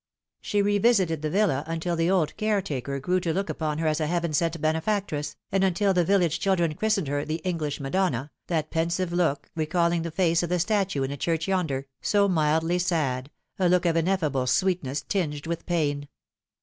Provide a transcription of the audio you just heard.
She revisited the villa until the old caretaker grew to look upon her as a heaven sent benefactress, and until the village children christened her the English Madonna, that 286 The Fatal Three. pensive ' ook recalling the face of the statue in the church yonder, BO mildly sad, a look of ineffable sweetness tinged with pain.